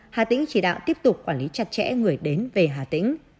hà tỉnh chỉ đạo tiếp tục quản lý chặt chẽ người đến về hà tỉnh